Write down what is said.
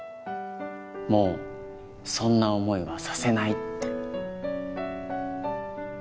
もうそんな思いはさせないって。